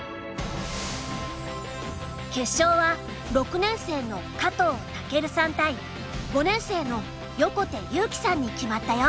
決勝は６年生の加藤威さん対５年生の横手悠生さんに決まったよ。